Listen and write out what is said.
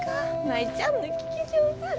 舞ちゃんの聞き上手。